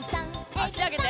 あしあげて。